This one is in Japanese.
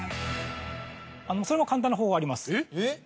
それも簡単な方法あります。